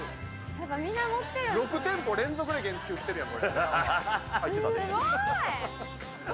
６店舗連続で原付き売ってるやん。